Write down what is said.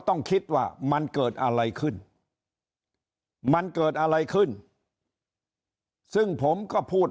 ต้องคิดว่ามันเกิดอะไรขึ้นมันเกิดอะไรขึ้นซึ่งผมก็พูด